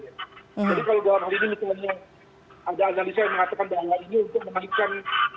jadi kalau dalam hal ini misalnya ada analisa yang mengatakan bahwa ini untuk menaikkan